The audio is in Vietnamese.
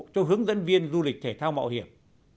cho hướng dẫn viên du lịch thể thao mạo hiểm